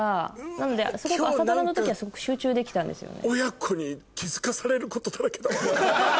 なので朝ドラの時はすごく集中できたんですよね。